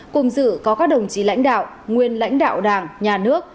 cùng dự có các đồng chí lãnh đạo nguyên lãnh đạo đảng nhà nước